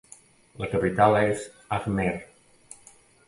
La capital és Ajmer.